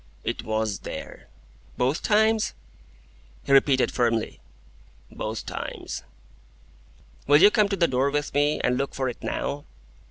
"It WAS there." "Both times?" He repeated firmly: "Both times." "Will you come to the door with me, and look for it now?"